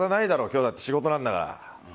今日だって仕事なんだから。